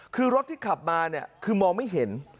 คือรถที่ขับมาเนี่ยคือมองไม่เห็น